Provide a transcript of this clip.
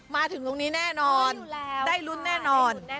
มาถึงตรงนี้แน่นอนได้ลุ้นแน่นอน